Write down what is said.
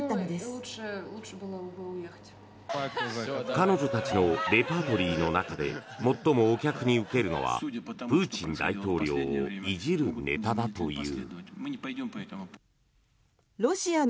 彼女たちのレパートリーの中で最もお客にウケるのはプーチン大統領をいじるネタだという。